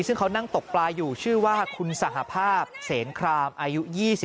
ซึ่งเขานั่งตกปลาอยู่ชื่อว่าคุณสหภาพเสนครามอายุ๒๓